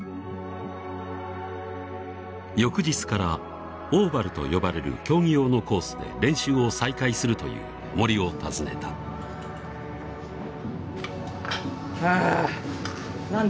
翌日からオーバルと呼ばれる競技用のコースで練習を再開するという森を訪ねたはぁ何だ？